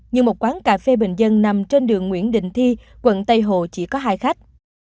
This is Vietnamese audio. như một quán cà phê bình dân nằm trên đường nguyễn đình thi quận tây hồ chỉ có hai khách